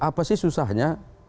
apa sih susahnya